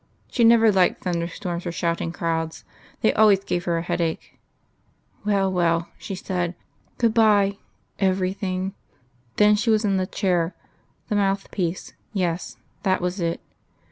She never liked thunderstorms or shouting crowds. They always gave her a headache ... "Well, well," she said. "Good bye, everything " Then she was in the chair. The mouthpiece yes; that was it....